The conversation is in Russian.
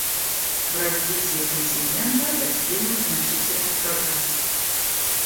В развитии континента достигнут значительный прогресс.